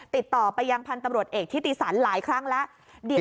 ติดต่อไปยังพันธุ์ตำรวจเอกทิติสันหลายครั้งแล้ว